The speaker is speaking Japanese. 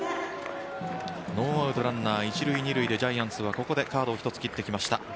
ノーアウトランナー、１塁２塁でジャイアンツはここでカードを１つ切ってきました。